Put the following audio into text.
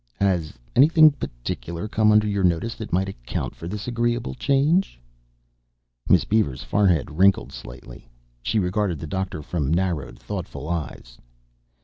"Has anything particular come under your notice that might account for this agreeable change?" Miss Beaver's forehead wrinkled slightly. She regarded the doctor from narrowed, thoughtful eyes.